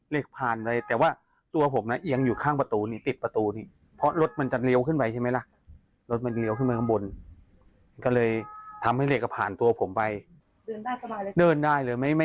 แล้วของเนี้ยยังรู้เลยฟุบไปเลยมองเหล็กเอ้า